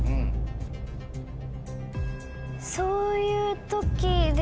そういう時で。